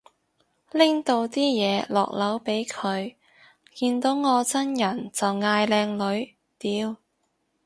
拎到啲嘢落樓俾佢，見到我真人就嗌靚女，屌